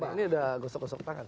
pak ini ada gosok gosok tangan